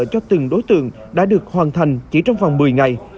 cho từng đối tượng đã được hoàn thành chỉ trong vòng một mươi ngày